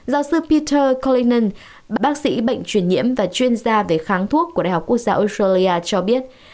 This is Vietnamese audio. giáo sư peter collinen bác sĩ bệnh truyền nhiễm và chuyên gia về kháng thuốc của đh quốc gia australia cho biết